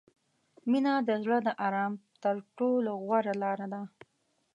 • مینه د زړه د آرام تر ټولو غوره لاره ده.